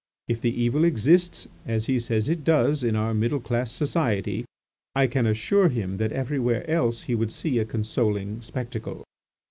If the evil exists, as he says it does, in our middle class society, I can assure him that everywhere else he would see a consoling spectacle.